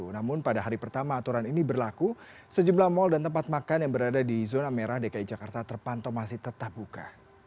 namun pada hari pertama aturan ini berlaku sejumlah mal dan tempat makan yang berada di zona merah dki jakarta terpantau masih tetap buka